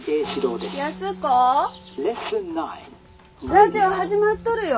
ラジオ始まっとるよ。